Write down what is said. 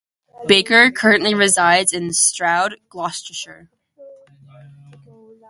Baker currently resides in Stroud, Gloucestershire.